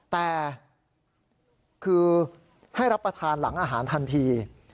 แต่คือให้รับประทานหลังอาหารทันที